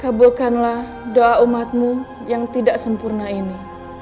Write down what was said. kabulkanlah doa umatmu yang tidak sempurna ini